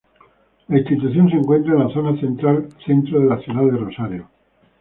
La institución se encuentra en la Zona Centro de la ciudad de Rosario.